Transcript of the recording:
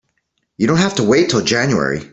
You don't have to wait till January.